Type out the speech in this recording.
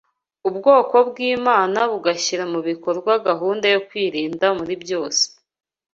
ubwoko bw’Imana bugashyira mu bikorwa gahunda yo kwirinda muri byose.